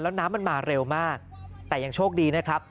แล้วน้ำมันมาเร็วมากแต่ยังโชคดีนะครับ